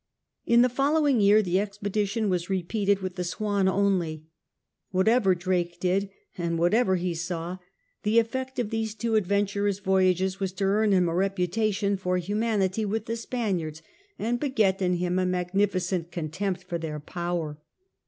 In the following year the expedition was repeated with the Smin only. Whatever Drake did and whatever he saw, the efi*ect of these two adventurous voyages was to earn him a reputation for humanity with the Spaniards and beget in him a magnificent contempt for their power.